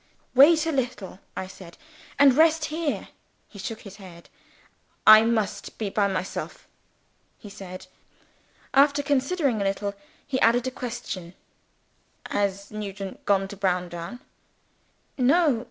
"Wait a little," I said, "and rest here." He shook his head. "I must be by myself," he said. After considering a little, he added a question. "Has Nugent gone to Browndown?" "No.